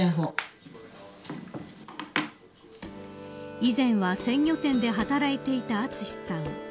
以前は鮮魚店で働いていた厚さん。